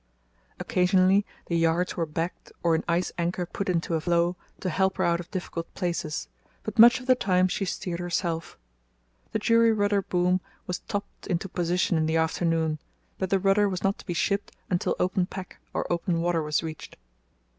Occasionally the yards were backed or an ice anchor put into a floe to help her out of difficult places, but much of the time she steered herself. The jury rudder boom was topped into position in the afternoon, but the rudder was not to be shipped until open pack or open water was reached.